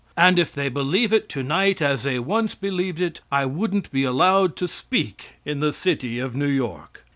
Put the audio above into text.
And if they believe it to night as they once believed it, I wouldn't be allowed to speak in the city of New York.